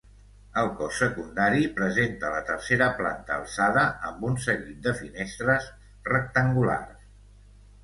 El cos secundari presenta la tercera planta alçada, amb un seguit de finestres rectangulars.